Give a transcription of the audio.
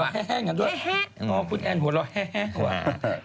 แบ่งคนละห้าสิบตังค์